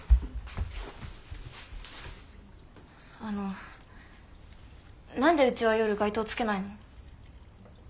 あの何でうちは夜外灯つけないの？